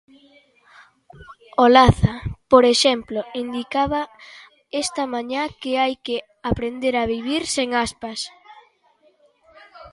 Olaza, por exemplo, indicaba esta mañá que hai que aprender a vivir sen Aspas.